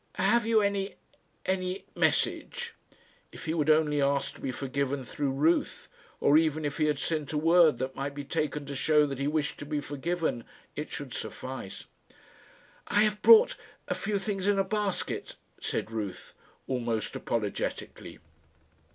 Have you any any message?" If he would only ask to be forgiven through Ruth, or even if he had sent a word that might be taken to show that he wished to be forgiven, it should suffice. "I have brought a few things in a basket," said Ruth, almost apologetically.